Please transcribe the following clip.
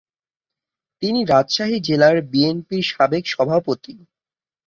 তিনি রাজশাহী জেলা বিএনপির সাবেক সভাপতি।